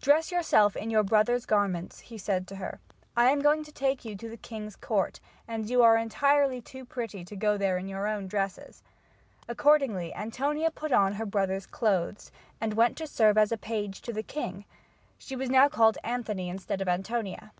"Dress yourself in your brother's garments," he said to her. "I am going to take you to the king's court and you are entirely too pretty to go there in your own dresses." Accordingly, Antonia put on her brother's clothes and went to serve as a page to the king. She was now called Anthony instead of Antonia.